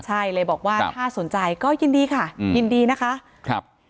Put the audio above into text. ใช่เลยบอกว่าถ้าสนใจก็ยินดีค่ะยินดีนะคะครับ